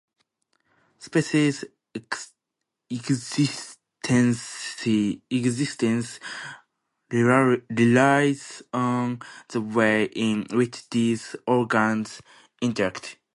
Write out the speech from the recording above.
Species' existence relies on the way in which these organs interact.